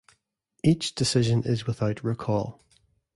Each decision is without recall.